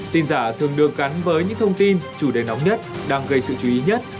tin giả thường được gắn với những thông tin chủ đề nóng nhất đang gây sự chú ý nhất